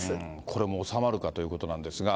これも収まるかということなんですが。